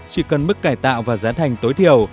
chỉ cần mức cải tạo và giá thành tối thiểu